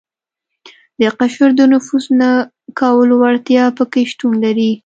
د قشر د نفوذ نه کولو وړتیا په کې شتون لري.